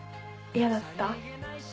嫌だった？